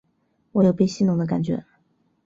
我有被戏弄的感觉